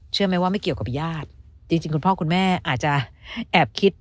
เชื่อไหมว่าไม่เกี่ยวกับญาติจริงคุณพ่อคุณแม่อาจจะแอบคิด